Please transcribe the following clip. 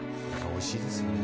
おいしいですよね。